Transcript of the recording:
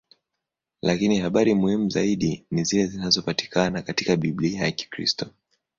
Lakini habari muhimu zaidi ni zile zinazopatikana katika Biblia ya Kikristo.